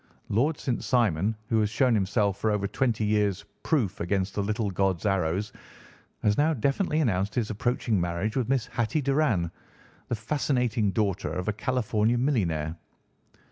Lord St. Simon, who has shown himself for over twenty years proof against the little god's arrows, has now definitely announced his approaching marriage with Miss Hatty Doran, the fascinating daughter of a California millionaire.